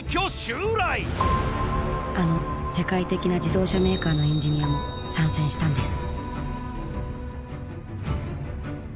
あの世界的な自動車メーカーのエンジニアも参戦したんです